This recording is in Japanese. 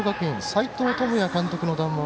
斎藤智也監督の談話